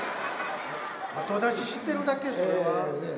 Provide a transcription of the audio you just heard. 後出ししてるだけそれは。